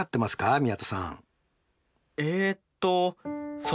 宮田さん。